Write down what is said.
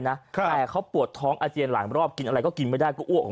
แต่เขาปวดท้องอาเจียนหลายรอบกินอะไรก็กินไม่ได้ก็อ้วก